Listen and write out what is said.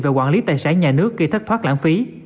về quản lý tài sản nhà nước gây thất thoát lãng phí